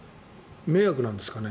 迷惑なんですかね？